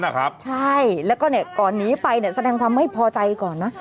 นะครับใช่แล้วก็เนี่ยก่อนนี้ไปเนี่ยแสดงความไม่พอใจก่อนนะ